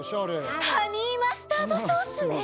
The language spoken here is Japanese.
ハニーマスタードソースね！